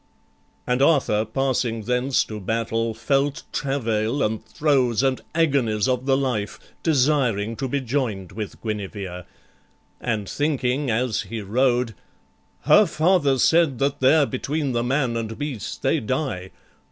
And Arthur, passing thence to battle, felt Travail, and throes and agonies of the life, Desiring to be join'd with Guinevere; And thinking as he rode, "Her father said That there between the man and beast they die.